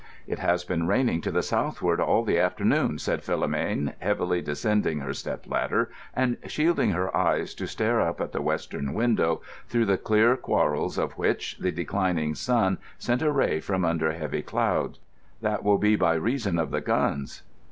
"It has been raining to the southward all the afternoon," said Philomène, heavily descending her step ladder and shielding her eyes to stare up at the western window, through the clear quarrels of which the declining sun sent a ray from under heavy clouds. "That will be by reason of the guns."